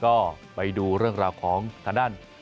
ก็ไปดูเรื่องราวของทางด้าน